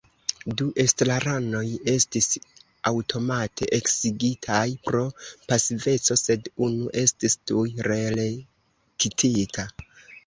Du estraranoj estis aŭtomate eksigitaj pro pasiveco, sed unu estis tuj reelektita.